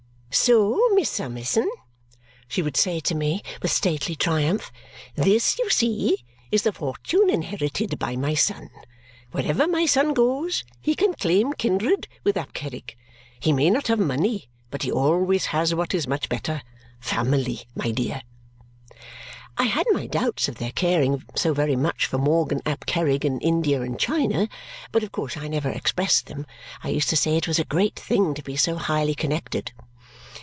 "So, Miss Summerson," she would say to me with stately triumph, "this, you see, is the fortune inherited by my son. Wherever my son goes, he can claim kindred with Ap Kerrig. He may not have money, but he always has what is much better family, my dear." I had my doubts of their caring so very much for Morgan ap Kerrig in India and China, but of course I never expressed them. I used to say it was a great thing to be so highly connected.